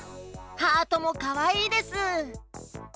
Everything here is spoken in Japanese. ハートもかわいいです。